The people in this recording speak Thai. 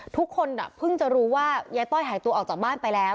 ทุกคนเพิ่งจะรู้ว่ายายต้อยหายตัวออกจากบ้านไปแล้ว